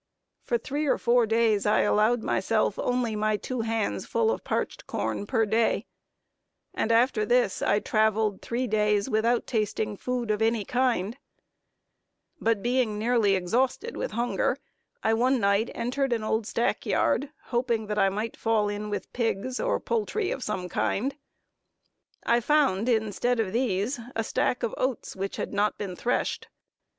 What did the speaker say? For three or four days I allowed myself only my two hands full of parched corn per day; and after this I traveled three days without tasting food of any kind; but being nearly exhausted with hunger, I one night entered an old stack yard, hoping that I might fall in with pigs, or poultry of some kind. I found, instead of these, a stack of oats, which had not been threshed.